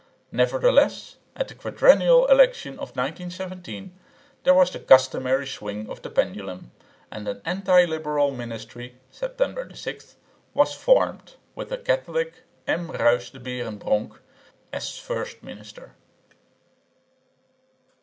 Nevertheless, at the quadrennial election of 1917 there was the customary swing of the pendulum; and an anti liberal ministry (September 6) was formed, with a Catholic, M. Ruys de Beerenbronck, as first minister.